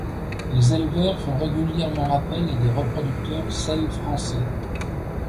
Les éleveurs font régulièrement appel à des reproducteurs Selle français.